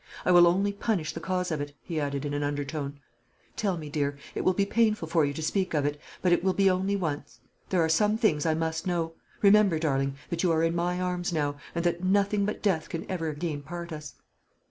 I will only punish the cause of it," he added, in an undertone. "Tell me, dear. It will be painful for you to speak of it; but it will be only once. There are some things I must know. Remember, darling, that you are in my arms now, and that nothing but death can ever again part us."